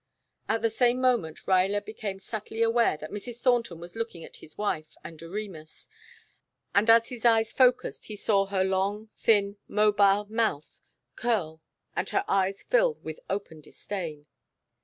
At the same moment Ruyler became subtly aware that Mrs. Thornton was looking at his wife and Doremus, and as his eyes focused he saw her long, thin, mobile mouth curl and her eyes fill with open disdain.